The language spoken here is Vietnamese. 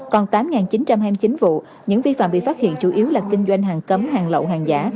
còn tám chín trăm hai mươi chín vụ những vi phạm bị phát hiện chủ yếu là kinh doanh hàng cấm hàng lậu hàng giả